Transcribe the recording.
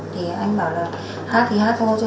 thì anh bảo là hát thì hát thôi